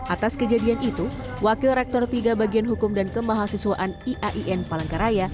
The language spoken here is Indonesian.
atas kejadian itu wakil rektor tiga bagian hukum dan kemahasiswaan iain palangkaraya